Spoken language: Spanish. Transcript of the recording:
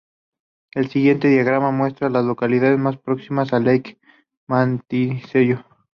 El siguiente diagrama muestra a las localidades más próximas a Lake Monticello.